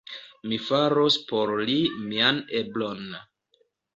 Mi faros por li mian eblon.